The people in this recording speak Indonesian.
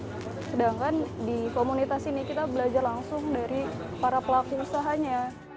sedangkan di komunitas ini kita belajar langsung dari para pelaku usahanya